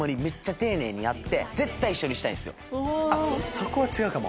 そこは違うかも。